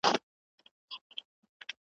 بس یوه شېبه مي په نصیب کي رسېدلې وه